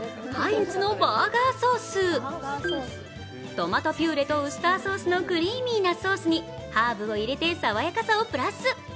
トマトピューレとウスターソースのクリーミーなソースにハーブを入れて爽やかさをプラス。